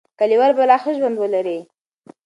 کلیوال به لا ښه ژوند ولري.